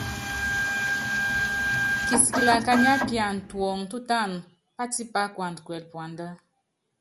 Kisikilɛ akanyiɛ́ apiana tuɔŋɔ tútánu, pátípá kuanda kuɛlɛ puandá.